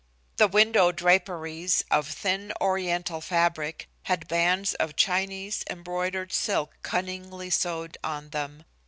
The, window, draperies, of thin, Oriental fabric, had bands of Chinese embroidered silk cunningly sewed on them.